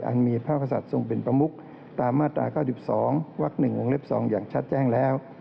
อันมีพระกษัตริย์ทรงเป็นประมุกตามมาตรา๙๒วัก๑วงเล็บ๒อย่างชัดแจ้งแล้ว